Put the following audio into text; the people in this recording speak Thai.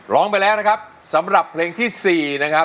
ร้องไปแล้วนะครับสำหรับเพลงที่๔นะครับ